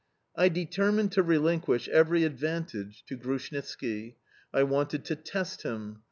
I determined to relinquish every advantage to Grushnitski; I wanted to test him.